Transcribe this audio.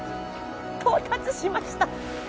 到達しました。